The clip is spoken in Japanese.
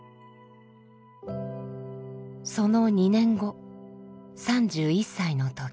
その２年後３１歳の時。